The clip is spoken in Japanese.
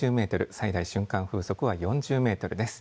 最大瞬間風速は４０メートルです。